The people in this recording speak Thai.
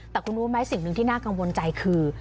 แต่คุณรู้ไหมสิ่งหนึ่งที่น่ากังวลใจคือ